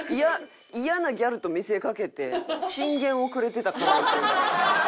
嫌なギャルと見せかけて進言をくれてた可能性が。